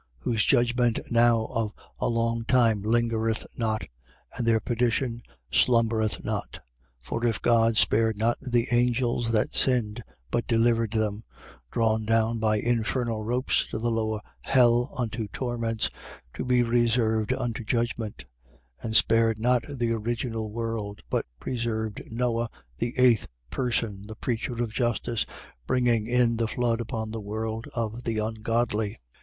Whose judgment now of a long time lingereth not: and their perdition slumbereth not. 2:4. For if God spared not the angels that sinned, but delivered them, drawn down by infernal ropes to the lower hell, unto torments, to be reserved unto judgment: 2:5. And spared not the original world, but preserved Noe, the eighth person, the preacher of justice, bringing in the flood upon the world of the ungodly.